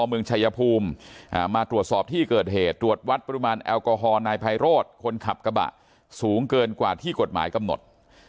เมืองชายภูมิมาตรวจสอบที่เกิดเหตุตรวจวัดปรุมาณแอลกอฮอล์นายไพโรด